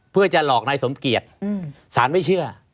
เพื่อจะหลอกนายสมเกียจศาลไม่เชื่อ